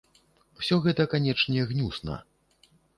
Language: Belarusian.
Усё гэта, канечне, гнюсна.